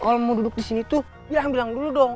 kalau mau duduk di sini tuh ya bilang dulu dong